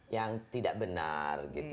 yang tidak benar gitu